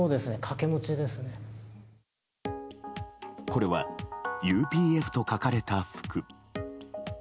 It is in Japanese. これは「ＵＰＦ」と書かれた服。